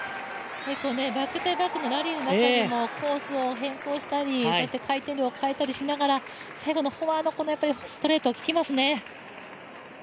バック対バックのラリーの中でもコースを変更したりそして回転量変えたりしながら、最後のフォアのストレート、効きますね。